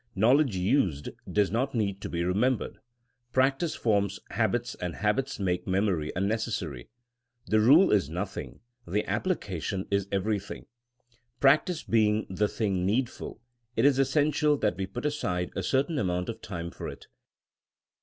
Knowledge used does not need to be remembered; practice forms habits and habits make memory unnecessary. The rule is noth ing; the application is everything. Practice being the thing needful, it is essential that we put aside a certain amount of time for it.